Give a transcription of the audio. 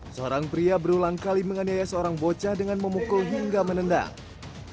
seorang pria berulang kali menganiaya seorang bocah dengan memukul hingga menendang